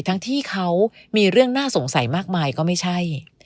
ทั้งที่เขามีเรื่องน่าสงสัยมากมายก็ไม่ใช่